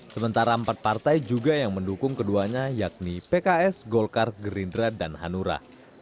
sementara empat partai juga yang mendukung keduanya yakni pks golkar gerindra dan hanura